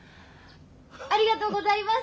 ありがとうございます！